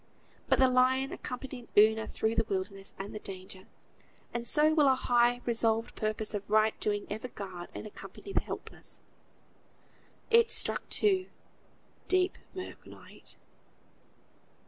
But the lion accompanied Una through the wilderness and the danger; and so will a high, resolved purpose of right doing ever guard and accompany the helpless. It struck two; deep, mirk, night.